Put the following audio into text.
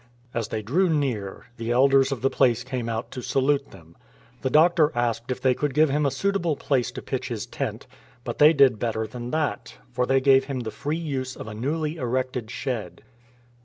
As they drew near, the elders of the place came out to salute them. The doctor asked if they could give him a suitable place to pitch his tent, but they did better than that, for they gave him the free use of a newly erected shed.